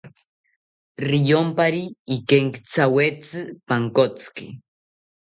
Riyompari ikenkithawetzi pankotziki